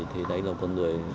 thì đây là một người